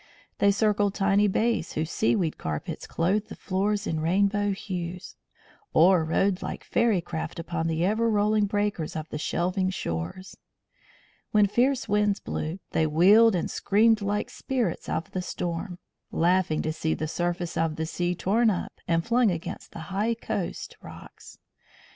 They circled tiny bays whose seaweed carpets clothed the floors in rainbow hues; or rode like fairy craft upon the ever rolling breakers on the shelving shores. When fierce winds blew, they wheeled and screamed like spirits of the storm, laughing to see the surface of the sea torn up and flung against the high coast rocks.